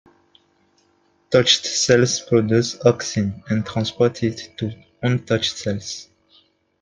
Touched cells produce auxin and transport it to untouched cells.